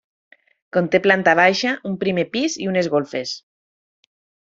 Conté planta baixa, un primer pis i unes golfes.